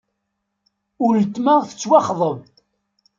Uletma tettwaxḍeb.